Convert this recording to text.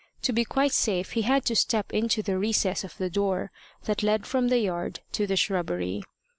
To be quite safe he had to step into the recess of the door that led from the yard to the shrubbery.